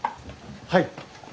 はい。